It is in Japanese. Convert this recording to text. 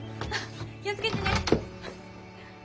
気を付けてね。